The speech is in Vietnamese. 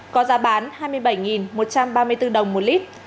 có giá bán hai mươi bảy một trăm ba mươi bốn đồng một lít